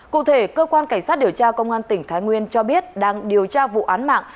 cụ thể cơ quan cảnh sát điều tra công an tỉnh thái nguyên cho biết đang điều tra vụ án mạng